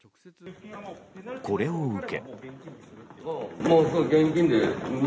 これを受け。